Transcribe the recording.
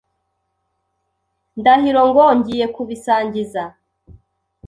Ndahiro ko ngiye kubisangiza.